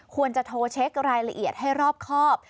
ควรจะโทรเช็ครายละเอียดให้รอบครอบ